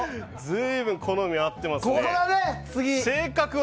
随分好みが合ってますね。